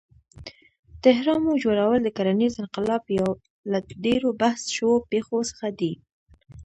د اهرامو جوړول د کرنیز انقلاب یو له ډېرو بحث شوو پېښو څخه دی.